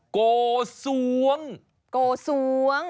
กสวง